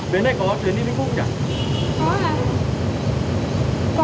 bến này có chuyến đi bình phúc chả